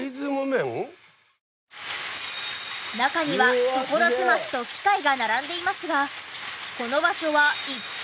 中には所狭しと機械が並んでいますがこの場所は一体？